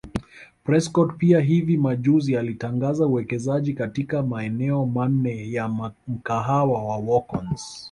Prescott pia hivi majuzi alitangaza uwekezaji katika maeneo manne ya mkahawa wa WalkOns